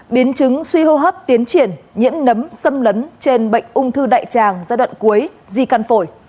biến chứng suy hô hấp tiến triển nhiễm nấm xâm lấn trên bệnh ung thư đại tràng giai đoạn cuối di căn phổi